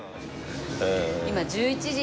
今１１時。